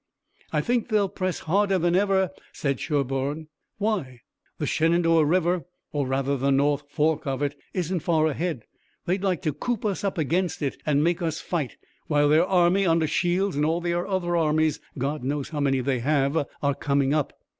"I think they'll press harder than ever," said Sherburne. "Why?" "The Shenandoah river, or rather the north fork of it, isn't far ahead. They'd like to coop us up against it and make us fight, while their army under Shields and all their other armies God knows how many they have are coming up."